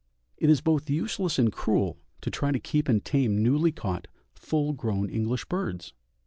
It is both useless and cruel to try to keep and tame newly caught, full grown English birds.